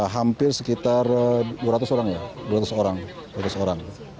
hampir sekitar dua ratus orang ya